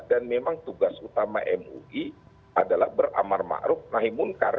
dan memang tugas utama mui adalah beramar ma'ruf nahi munkar